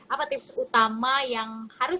apa tips utama yang harus